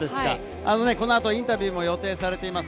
このあとインタビューも予定されています。